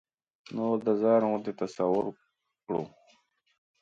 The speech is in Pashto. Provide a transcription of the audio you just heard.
نور د ځان غوندې تصور کړو.